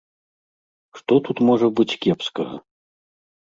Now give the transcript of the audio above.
Што тут можа быць кепскага?